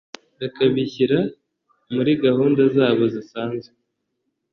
bakabishyira muri gahunda zabo zisanzwe